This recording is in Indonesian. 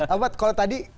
apa kalau tadi